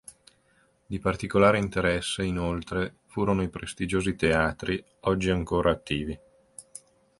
Di particolare interesse inoltre, furono i prestigiosi teatri, oggi ancora attivi.